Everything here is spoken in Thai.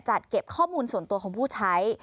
เก็บข้อมูลส่วนตัวของผู้ใช้